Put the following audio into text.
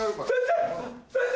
先生！